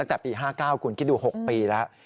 ตั้งแต่ปี๕๙คุณคิดดู๖ปีแล้ว